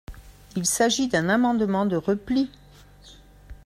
Il s’agit d’un amendement de repli.